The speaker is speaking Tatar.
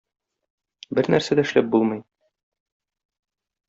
Бернәрсә дә эшләп булмый.